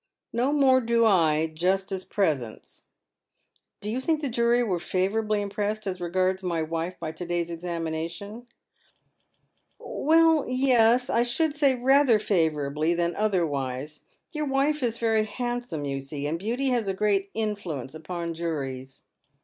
" No more do I, just at present." " Do you think the jury were favourably impressed as regards my wife by to day's examination ?"" Well, yes ; I should say rather favourably than otherwise. Your wife is very handsome, you see, and beauty has a great influence upon juries.